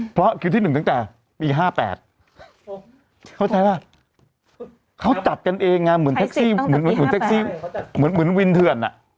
เพราะคิวที่๑ตั้งแต่ปี๕๘เข้าใจปะเขาจัดกันเองเหมือนแท็กซี่เหมือนวินเทือน